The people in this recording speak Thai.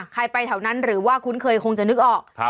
ไปแถวนั้นหรือว่าคุ้นเคยคงจะนึกออก